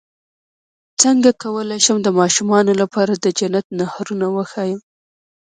څنګه کولی شم د ماشومانو لپاره د جنت نهرونه وښایم